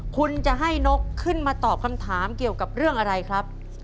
คุณจะให้นกขึ้นมาตอบคำถามเกี่ยวกับเรื่องอะไรครับ